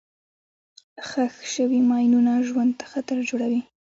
ښخ شوي ماینونه ژوند ته خطر جوړوي.